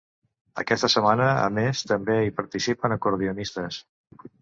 Aquesta setmana, a més, també hi participen acordionistes.